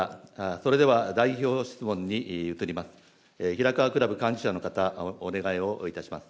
それでは代表質問に移ります。